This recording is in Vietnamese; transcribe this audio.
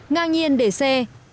ngang nhiên để xe